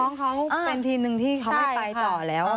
น้องเขาเป็นทีมหนึ่งที่เขาไม่ไปต่อแล้ว